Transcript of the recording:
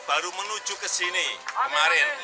baru menuju kesini kemarin